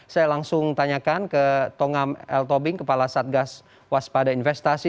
saya langsung tanyakan ke tongam l tobing kepala satgas waspada investasi